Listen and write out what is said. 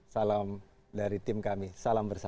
salam dari tim kami salam bersama